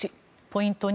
ポイント